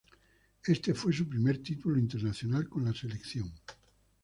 Este fue su primer título internacional con la selección.